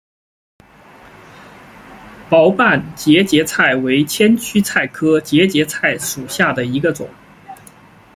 薄瓣节节菜为千屈菜科节节菜属下的一个种。